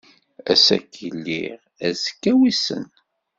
Ass-agi lliɣ azekka wissen.